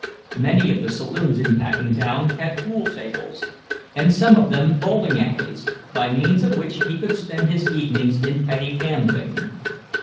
Many of the saloons in Packingtown had pool tables, and some of them bowling alleys, by means of which he could spend his evenings in petty gambling.